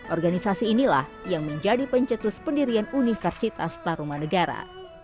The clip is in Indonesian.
organisasi inilah yang menjadi pencetus pendirian universitas taruman negara